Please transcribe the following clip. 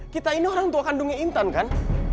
kita ini orang tua kandungnya intan kan